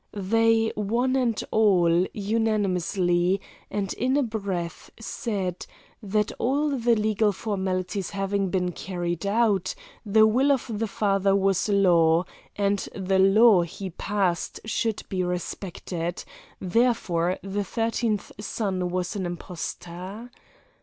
They one and all, unanimously, and in a breath said, that all the legal formalities having been carried out, the will of the father was law, and the law he passed should be respected, therefore the thirteenth son was an impostor.